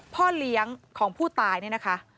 พ่อเลี้ยงของผู้ตายเนี่ยนะคะ